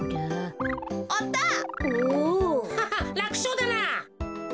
ハハッらくしょうだな。